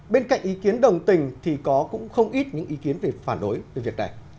bên cạnh ý kiến đồng tình thì có cũng không ít những ý kiến về phản đối về việc này